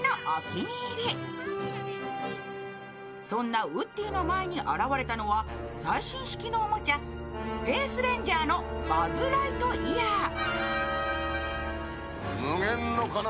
そんなウッディの前に現れたのは、最新式のおもちゃ、スペースレンジャーのバズ・ライトイヤー。